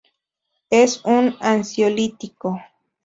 Es un ansiolítico.